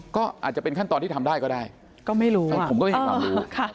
ก็อาจจะเป็นขั้นตอนที่ทำได้ก็ได้ก็ไม่รู้ผมก็ไม่มีความรู้